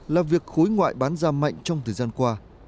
là việc khối ngoại bán ra mạnh trong thời gian qua